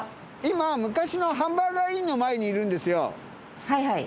今昔のハンバーガー・インの前にいるんですよ。